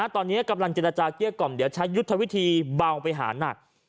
ตอนนี้กำลังเจรจาเกลี้ยกล่อมเดี๋ยวใช้ยุทธวิธีเบาไปหานัก